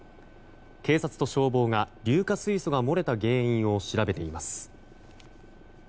警察と消防が、硫化水素が漏れた原因を調べています。